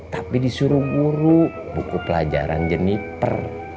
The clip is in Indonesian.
tapi disuruh guru buku pelajaran jeniper